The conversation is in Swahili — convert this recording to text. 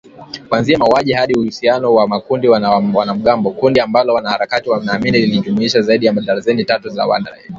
Kuanzia mauaji hadi uhusiano na makundi ya wanamgambo, kundi ambalo wanaharakati wanaamini lilijumuisha zaidi ya darzeni tatu za wa shia